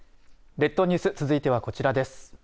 列島ニュース続いてはこちらです。